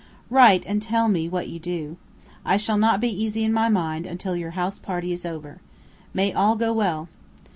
Write and tell me what you do. I shall not be easy in my mind until your house party is over. May all go well!